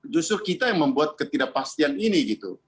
justru kita yang membuat ketidakpastian ini gitu